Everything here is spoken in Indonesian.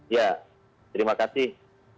ya terima kasih